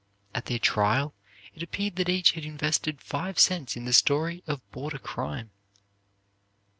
At their trial, it appeared that each had invested five cents in the story of border crime.